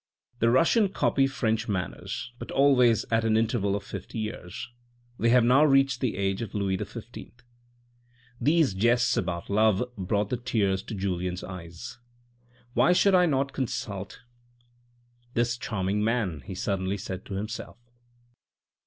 " The Russians copy French manners, but always at an interval of fifty years. They have now reached the age of Louis XV." These jests about love brought the tears to Julien's eyes. " Why should I not consult this charming man," he suddenly said to himself.